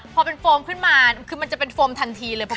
พอเป็นโฟมขึ้นมาคือมันจะเป็นโฟมทันทีเลย